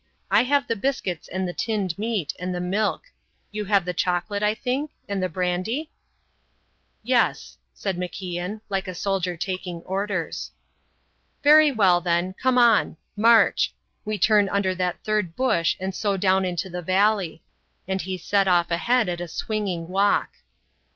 I have the biscuits and the tinned meat, and the milk. You have the chocolate, I think? And the brandy?" "Yes," said MacIan, like a soldier taking orders. "Very well, then, come on. March. We turn under that third bush and so down into the valley." And he set off ahead at a swinging walk.